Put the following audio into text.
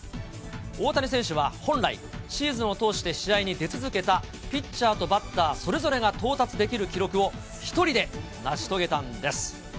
大谷選手は本来、シーズンを通して試合に出続けたピッチャーとバッターそれぞれが到達できる記録を、１人で成し遂げたんです。